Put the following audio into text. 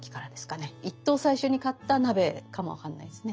一等最初に買った鍋かもわかんないですね。